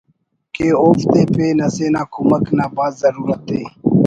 کہ اوفتے پین اسے نا کمک نا بھاز ضرورت ءِ